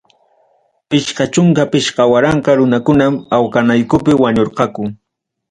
Pichqa chunka pichqa waranqa runakunam, awqanakuypi wañurqaku.